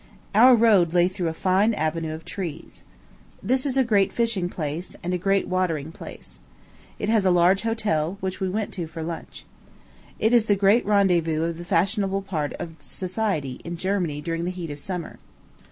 Our road lay through a fine avenue of trees. This is a great fishing place, and a great watering place. It has a large hotel, which we went to for lunch. It is the great rendezvous of the fashionable part of society in Germany during the heat of summer.